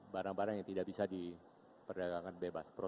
barang barang yang tidak bisa diperdagangkan bebas